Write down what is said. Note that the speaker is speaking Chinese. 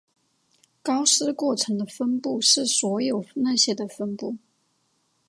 高斯过程的分布是所有那些的分布。